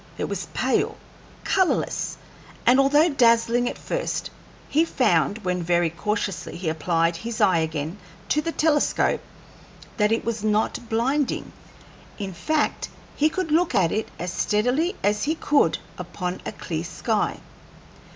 It was pale, colorless; and although dazzling at first, he found, when very cautiously he applied his eye again to the telescope, that it was not blinding. In fact, he could look at it as steadily as he could upon a clear sky.